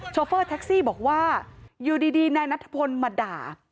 โฟเฟอร์แท็กซี่บอกว่าอยู่ดีนายนัทพลมาด่า